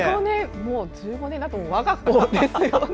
もう１５年だとわが子ですよね。